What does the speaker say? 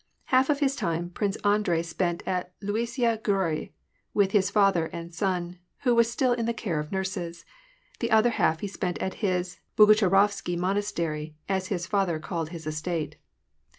Half of his time, Prince Andrei spent at Luisiya Gomi with his father and son, who was still in the care of nurses : the other half he spent at his "Bogucharovsky monastery," as his father called his estate.